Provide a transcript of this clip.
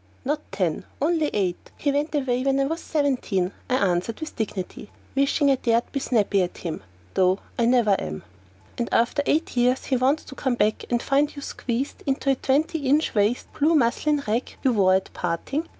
"Not ten, only eight! He went away when I was seventeen," I answered with dignity, wishing I dared be snappy at him: though I never am. "And after eight years he wants to come back and find you squeezed into a twenty inch waist, blue muslin rag you wore at parting?